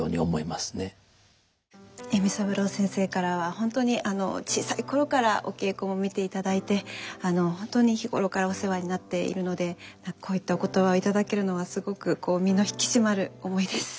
笑三郎先生からは本当に小さい頃からお稽古も見ていただいて本当に日頃からお世話になっているのでこういったお言葉を頂けるのはすごくこう身の引き締まる思いです。